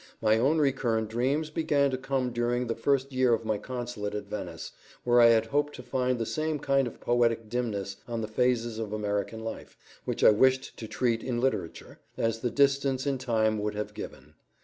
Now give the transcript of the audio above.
My own recurrent dreams began to come during the first year of my consulate at Venice, where I had hoped to find the same kind of poetic dimness on the phases of American life, which I wished to treat in literature, as the distance in time would have given.